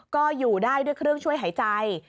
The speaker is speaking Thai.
ก็อยู่ได้ด้วยเครื่องช่วยหายใจ